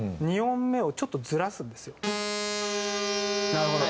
なるほど。